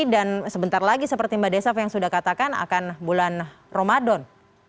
dan sebentar lagi seperti mbak desaf yang sudah katakan akan bulan ramadan